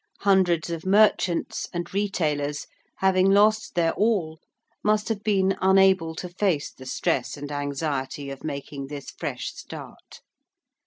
Hundreds of merchants, and retailers, having lost their all must have been unable to face the stress and anxiety of making this fresh start.